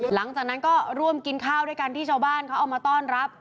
หลังจากนั้นก็ร่วมกินข้าวด้วยกันที่ชาวบ้านเขาเอามาต้อนรับ